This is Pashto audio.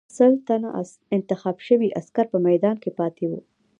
سل تنه انتخاب شوي عسکر په میدان کې پاتې وو.